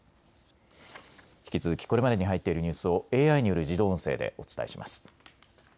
引き続きこれまでに入っているニュースをＡＩによる自動音声でお伝えします。